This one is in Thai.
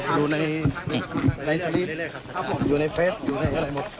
อยู่ในสลิปอยู่ในเฟสอยู่ในอะไรหมด